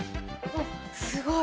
すごい！